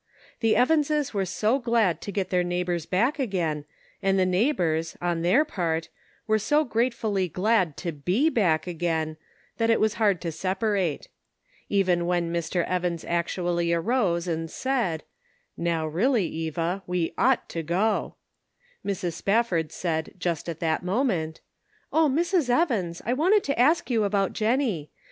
The Evanses were so glad to get their neighbors back again, and the neighbors, on their part, were so gratefully glad to be back again, that it was hard to separate. Even when Mr. Evans actually arose and said, " Now, really, Eva, we ought to go," Mrs. Spafford 394 Measuring Responsibility. 395 / said just at that moment :" Oh, Mrs. Evans, I wanted to ask you about Jennie.